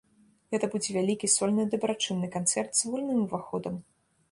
Гэта будзе вялікі сольны дабрачынны канцэрт з вольным уваходам.